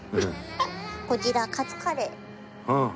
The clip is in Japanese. こちらカツカレー。